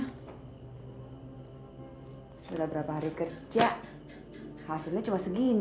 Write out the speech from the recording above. hai sudah berapa hari kerja hasilnya cuma segini